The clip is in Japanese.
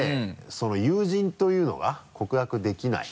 その友人というのが告白できない。